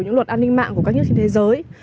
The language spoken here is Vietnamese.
những luật an ninh mạng của các nước trên thế giới